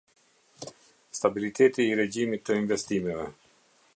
Stabiliteti i regjimit të investimeve.